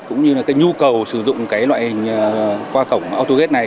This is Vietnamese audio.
cũng như là cái nhu cầu sử dụng cái loại hình qua cổng autogate này